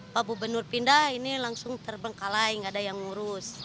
pak gubernur pindah ini langsung terbengkalai nggak ada yang ngurus